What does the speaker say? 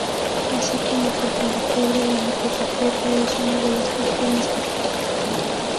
Así como que el conductor de la motocicleta es una de las víctimas mortales.